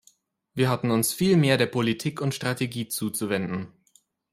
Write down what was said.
Wir hatten uns vielmehr der Politik und Strategie zuzuwenden.